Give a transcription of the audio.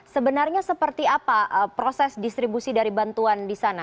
sebenarnya seperti apa proses distribusi dari bantuan di sana